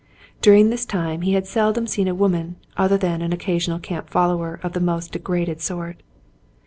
During this time he had seldom seen a woman other than an occasional camp fol lower of the most degraded sort.